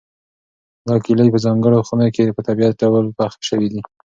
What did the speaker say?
دا کیلې په ځانګړو خونو کې په طبیعي ډول پخې شوي دي.